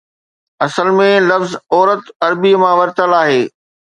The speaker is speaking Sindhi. اصل ۾ لفظ عورت عربيءَ مان ورتل آهي